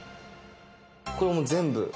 これもう全部。